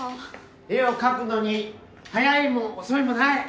絵を描くのに早いも遅いもない。